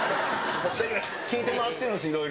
聞いて回ってるんです、いろいろ。